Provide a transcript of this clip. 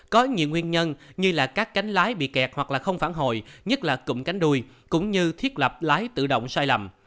có nhiều nguyên nhân như là các cánh lái bị kẹt hoặc là không phản hồi nhất là cụm cánh đuôi cũng như thiết lập lái tự động sai lầm